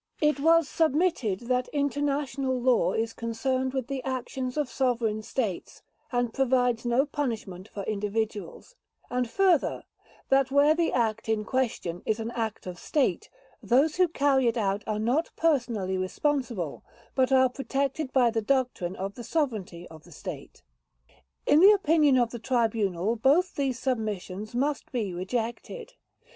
It was submitted that international law is concerned with the actions of sovereign States, and provides no punishment for individuals; and further, that where the act in question is an act of State, those who carry it out are not personally responsible, but are protected by the doctrine of the sovereignty of the State. In the opinion of the Tribunal, both these submissions must be rejected.